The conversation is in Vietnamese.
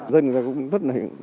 dân cũng rất là hình